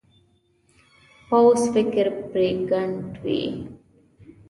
پوخ فکر پرېکنده وي